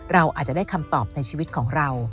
เราอาจจะได้คำตอบในชีวิตของเรา